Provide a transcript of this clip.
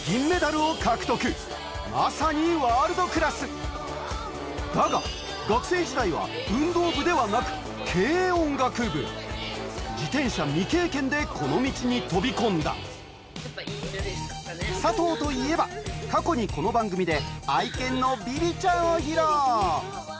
まさにワールドクラスだが学生時代は運動部ではなく軽音楽部自転車未経験でこの道に飛び込んだ過去にこの番組でを披露近々愛する